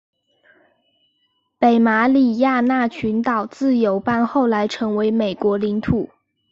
北马里亚纳群岛自由邦后来成为美国领土。